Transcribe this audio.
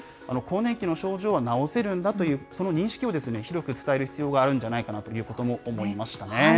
更年期の症状は治せるんだという、その認識を、広く伝える必要があるんじゃないかなということも思